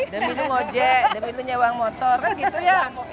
demi lo ngejek demi lo nyewang motor kan gitu ya